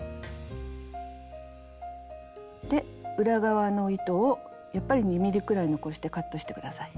で裏側の糸をやっぱり２ｍｍくらい残してカットして下さい。